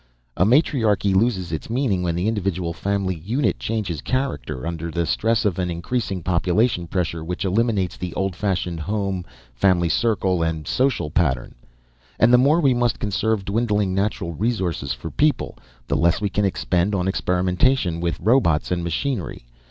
A matriarchy loses its meaning when the individual family unit changes character, under the stress of an increasing population pressure which eliminates the old fashioned home, family circle, and social pattern. And the more we must conserve dwindling natural resources for people, the less we can expend on experimentation with robots and machinery.